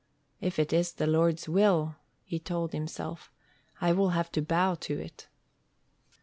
"If it is the Lord's will," he told himself, "I will have to bow to it."